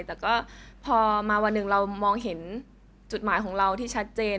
แต่ก็พอมาวันหนึ่งเรามองเห็นจุดหมายของเราที่ชัดเจน